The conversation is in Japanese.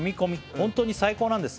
本当に最高なんです」